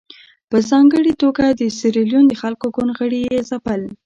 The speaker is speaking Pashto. په ځانګړې توګه د سیریلیون د خلکو ګوند غړي یې ځپل.